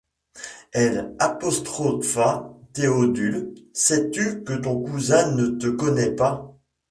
Elle apostropha Théodule: — Sais-tu que ton cousin ne te connaît pas?